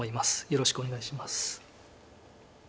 よろしくお願いします。